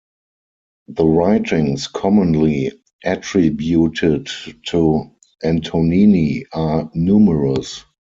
The writings commonly attributed to Antonini are numerous.